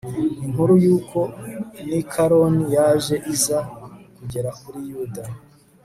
inkuru y'uko nikanori yaje iza kugera kuri yuda